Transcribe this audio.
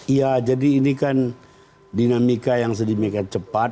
iya jadi ini kan dinamika yang sedemikian cepat